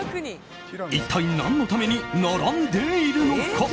一体何のために並んでいるのか？